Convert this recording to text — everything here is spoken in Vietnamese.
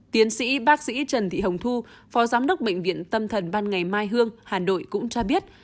tiến sĩ bác sĩ trần thị hồng thu phó giám đốc bệnh viện tâm thần ban ngày mai hương hà nội cũng cho biết